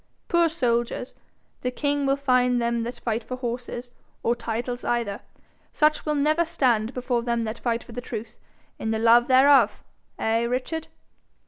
Poor soldiers the king will find them that fight for horses, or titles either. Such will never stand before them that fight for the truth in the love thereof! Eh, Richard?'